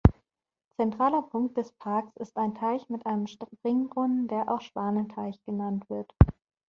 Zentraler Punkt des Parks ist ein Teich mit Springbrunnen, der auch Schwanenteich genannt wird.